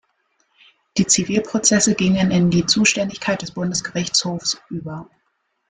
Die Zivilprozesse gingen in die Zuständigkeit des Bundesgerichtshofs über.